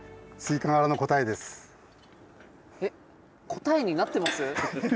答えになってます？